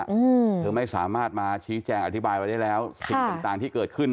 อืมเธอไม่สามารถมาชี้แจงอธิบายไว้ได้แล้วสิ่งต่างต่างที่เกิดขึ้น